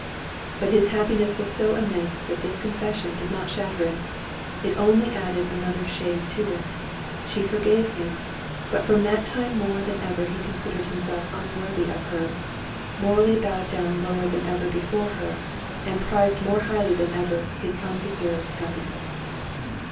But his happiness was so immense that this confession did not shatter it, it only added another shade to it. She forgave him; but from that time more than ever he considered himself unworthy of her, morally bowed down lower than ever before her, and prized more highly than ever his undeserved happiness.